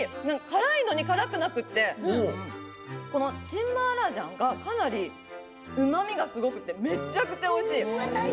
辛いのに辛くなくて、チンマーラージャンがかなりうまみがすごくて、めちゃくちゃおいしい！